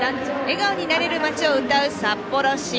笑顔になれる街をうたう札幌市。